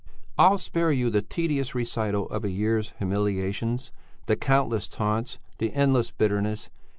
"I'll spare you the tedious recital of a year's humiliations, the countless taunts, the endless bitterness.